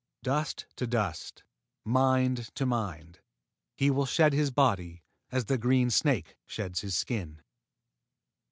Dust to dust Mind to Mind He will shed his body As the green snake sheds his skin.